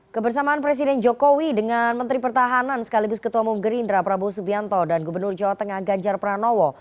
kebersamaan presiden jokowi dengan menteri pertahanan sekaligus ketua munggerindra prabowo subianto dan gubernur jawa tengah ganjar pranowo